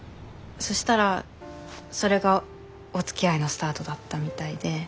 そしたらそれがおつきあいのスタートだったみたいで。